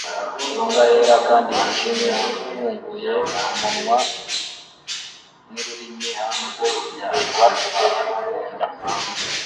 Imbwa yera kandi yijimye ifunguye umunwa nururimi hanze ireba isegonda